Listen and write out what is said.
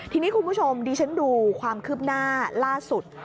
ทีนี้คุณผู้ชมดิฉันดูความคืบหน้าล่าสุด